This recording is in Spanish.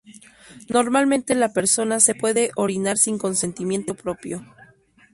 Normalmente la persona se puede orinar sin consentimiento propio.